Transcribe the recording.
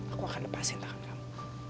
aku akan lepasin tahan kamu